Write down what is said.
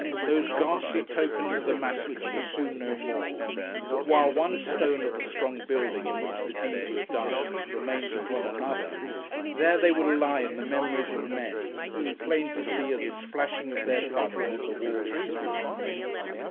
Those ghastly tokens of the massacre were soon no more; but while one stone of the strong building in which the deed was done, remains upon another, there they will lie in the memories of men, as plain to see as the splashing of their blood upon the wall is now.